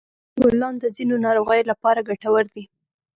ګلان د ځینو ناروغیو لپاره ګټور دي.